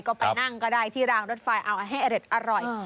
ก็ไปนั่งก็ได้ที่รางรถไฟเอาให้อเด็ดอร่อย